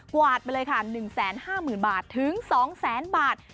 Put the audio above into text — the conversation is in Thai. กวาดไปเลยค่ะ๑แสนห้าหมื่นบาทถึง๒แสนบาท